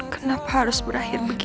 kenapa harus berakhir begini